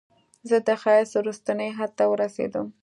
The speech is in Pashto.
زه د ښایست وروستني حد ته ورسیدم